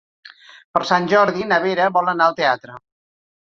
Per Sant Jordi na Vera vol anar al teatre.